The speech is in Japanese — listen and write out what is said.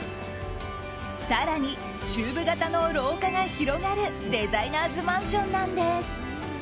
更にチューブ形の廊下が広がるデザイナーズマンションなんです。